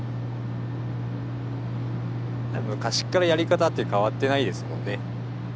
昔っからやり方って変わってないですもんね。